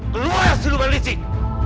keluar siluman licik